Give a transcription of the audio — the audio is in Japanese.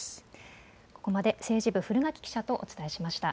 ここまで政治部、古垣記者とお伝えしました。